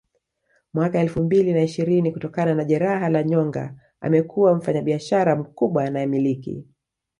mwaka elfu mbili na ishirini kutokana na jeraha la nyonga amekuwa mfanyabishara mkubwa anayemiliki